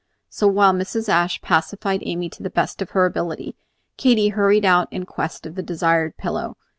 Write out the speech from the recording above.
So, while Mrs. Ashe pacified Amy to the best of her ability, Katy hurried out in quest of the desired pillow.